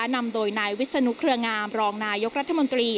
นำโดยนายวิศนุเครืองามรองนายกรัฐมนตรี